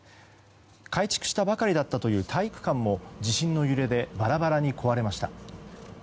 改築したばかりだったという体育館も地震の揺れでバラバラに壊れました。